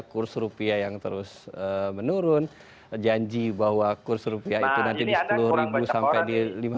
kurs rupiah yang terus menurun janji bahwa kurs rupiah itu nanti di sepuluh sampai di lima ratus